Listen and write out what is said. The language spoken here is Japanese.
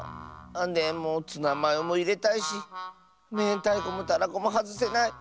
でもツナマヨもいれたいしめんたいこもたらこもはずせない。